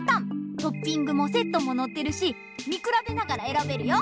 トッピングもセットものってるしみくらべながらえらべるよ。